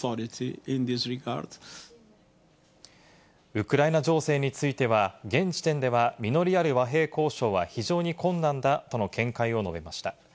ウクライナ情勢については現時点では実りある和平交渉は非常に困難だとの見解を述べました。